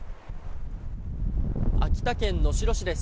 秋田県能代市です。